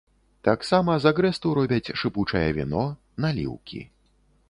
Таксама з агрэсту робяць шыпучае віно, наліўкі.